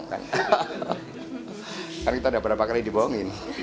karena kita udah berapa kali dibohongin